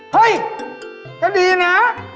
เฮ้ยก็ดีนะ